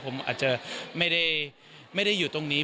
ผมอาจจะไม่ได้อยู่ตรงนี้